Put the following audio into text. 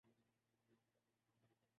سیاسی منافقت کے خلاف ووٹ دیا ہے۔